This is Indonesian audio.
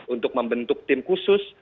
untuk membentuk tim khusus